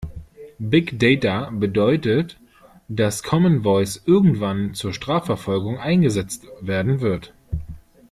Big Data bedeutet, dass Common Voice irgendwann zur Strafverfolgung eingesetzt werden wird.